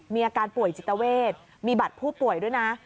มีอาการป่วยจิตเวทมีบัตรผู้ป่วยด้วยนะ